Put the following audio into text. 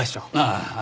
ああ。